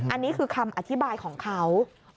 อันนี้คือคำอธิบายของเขา